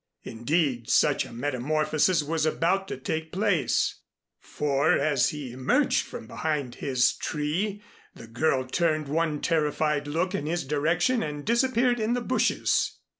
Indeed such a metamorphosis was about to take place; for as he emerged from behind his tree, the girl turned one terrified look in his direction and disappeared in the bushes.